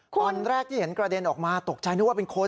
ตอนแรกที่เห็นกระเด็นออกมาตกใจนึกว่าเป็นคน